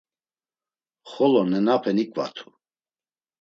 Xolo nenape niǩvatu.